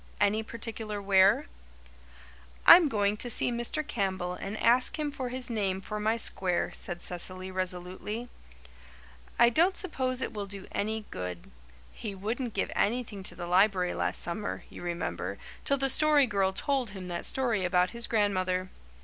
"Any particular where?" "I'm going to see Mr. Campbell and ask him for his name for my square," said Cecily resolutely. "I don't suppose it will do any good. He wouldn't give anything to the library last summer, you remember, till the Story Girl told him that story about his grandmother.